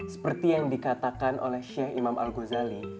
seperti yang dikatakan oleh sheikh imam al ghazali